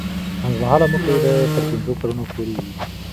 منځمهاله موخې تر پنځو کلونو پورې وي.